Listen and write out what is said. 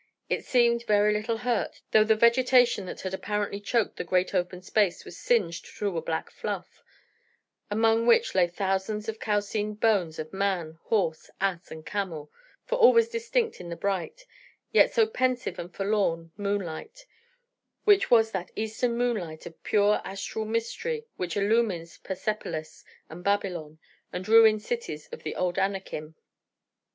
It seemed very little hurt, though the vegetation that had apparently choked the great open space was singed to a black fluff, among which lay thousands of calcined bones of man, horse, ass, and camel, for all was distinct in the bright, yet so pensive and forlorn, moonlight, which was that Eastern moonlight of pure astral mystery which illumines Persepolis, and Babylon, and ruined cities of the old Anakim.